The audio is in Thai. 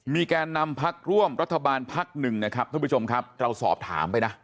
แกนนำพักร่วมรัฐบาลพักหนึ่งนะครับท่านผู้ชมครับเราสอบถามไปนะ